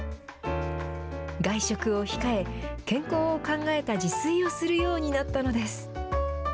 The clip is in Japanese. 外食を控え、健康を考えた自炊をするようになったのです。